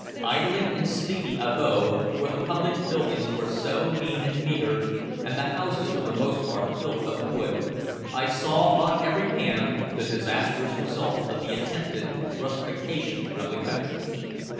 Idling in sleepy Abo, where the public buildings were so mean and meager and the houses for the most part built of wood, I saw on every hand the disastrous result of the attempted Russification of the country.